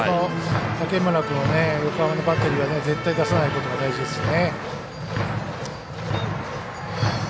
竹村君を、横浜のバッテリーは絶対に出さないことが大事ですしね。